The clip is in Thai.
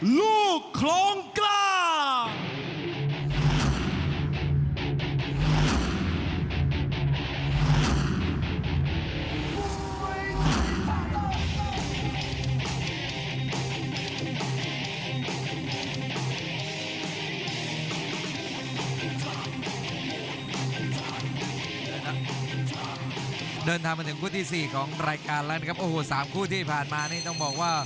ลูกคลองกลาง